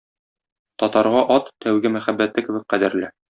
Татарга ат тәүге мәхәббәте кебек кадерле.